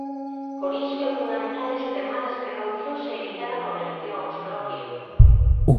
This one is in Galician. Por iso é fundamental extremar as precaucións e evitar aglomeracións, Gloria.